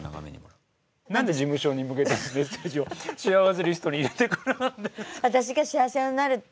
なんで事務所に向けたメッセージをしあわせリストに入れてくるんですか？